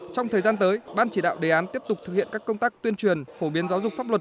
trong thời gian tới ban chỉ đạo đề án tiếp tục thực hiện các công tác tuyên truyền phổ biến giáo dục pháp luật